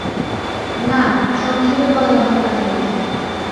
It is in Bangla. না, সংক্ষেপে বলার দরকার নেই।